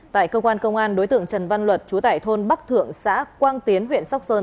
tại cơ quan công an đối tượng trần văn luật chú tại thôn bắc thượng xã quang tiến huyện sóc sơn